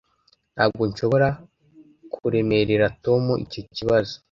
Ntabwo nshobora kuremerera Tom icyo kibazo.